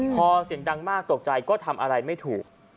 พอเสียงดังมากตกใจก็ทำอะไรไม่ถูก